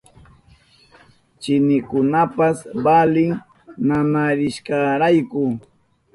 Chinikunapas valin nanarishkarayku.